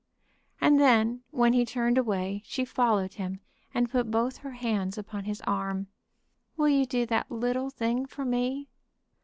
Then, when he turned away, she followed him, and put both her hands upon his arm. "Will you do that little thing for me?"